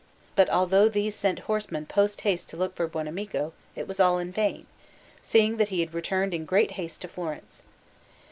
But although these sent horsemen post haste to look for Buonamico, it was all in vain, seeing that he had returned in great haste to Florence.